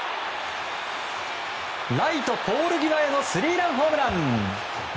ライトポール際へのスリーランホームラン。